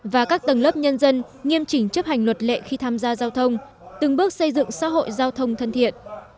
và các tầng lớp nhân dân nghiêm chỉnh chấp hành luật lệ khi tham gia giao thông từng bước xây dựng xã hội giao thông thân thiện